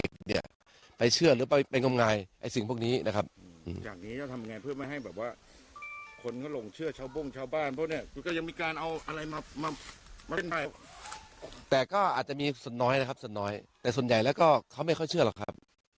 ครับส่วนน้อยแต่ส่วนใหญ่แล้วก็เขาไม่ค่อยเชื่อหรอกครับ